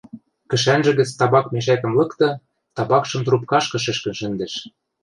Кӹшӓнжӹ гӹц табак мешӓкӹм лыкты, табакшым трубкашкы шӹшкӹн шӹндӹш.